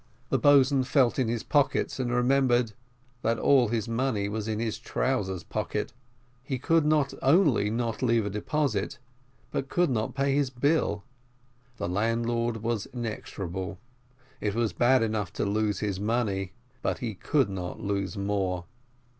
The boatswain felt in his pockets and remembered that all his money was in his trousers' pocket. He could not only not leave a deposit, but could not pay his bill. The landlord was inexorable. It was bad enough to lose his money, but he could not lose more.